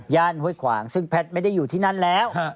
ห้วยขวางซึ่งแพทย์ไม่ได้อยู่ที่นั่นแล้ว